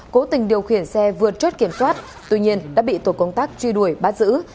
cố tình điều khiển xe vượt chốt kiểm soát tuy nhiên đã bị tổ công tác truy đuổi bắt giữ